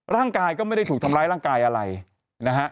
ร่างกายก็ไม่ได้ถูกทำร้ายร่างกายอะไรนะฮะ